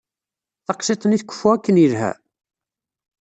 Taqsiṭ-nni tkeffu akken yelha?